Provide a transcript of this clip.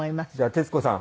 徹子さん